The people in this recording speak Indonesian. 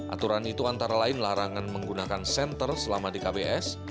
aturan itu antara lain larangan menggunakan senter selama di kbs